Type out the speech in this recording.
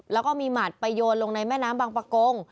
แล้วก็มีหมัดไปโยนลงในแม่น้ำบางประกง